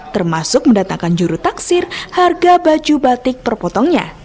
termasuk mendatangkan juru taksir harga baju batik terpotongnya